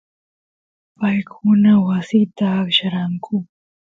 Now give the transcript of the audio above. paykuna wasita aqllaranku